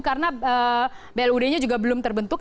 karena blud nya juga belum terbentuk